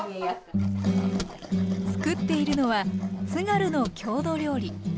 つくっているのは津軽の郷土料理。